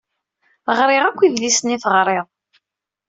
Ɣriɣ akk idlisen i teɣriḍ.